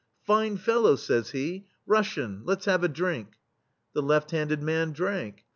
"Fine fellow! says he, "Russian — let's have a drink!" The left handed man drank.